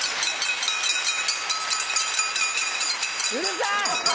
うるさい！